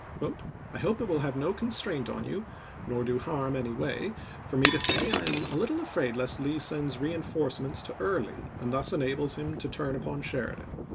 " I hope it will have no constraint on you, nor do harm any way, for me to say I am a little afraid lest Lee sends reinforcements to Early, and thus enables him to turn upon Sheri dan."